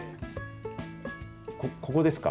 ここですか？